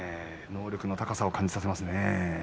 能力の高さを感じさせます